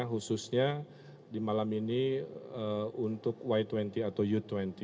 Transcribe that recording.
khususnya di malam ini untuk y dua puluh atau u dua puluh